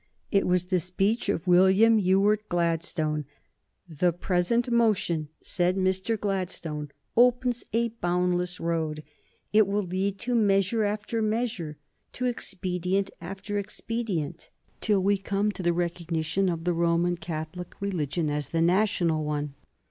It was the speech of Mr. William Ewart Gladstone. "The present motion," said Mr. Gladstone, "opens a boundless road it will lead to measure after measure, to expedient after expedient, till we come to the recognition of the Roman Catholic religion as the national one.